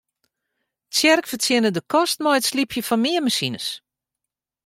Tsjerk fertsjinne de kost mei it slypjen fan meanmasines.